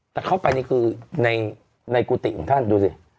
แต่เข้าไปนี่คือในกุฏิของท่านดูสิ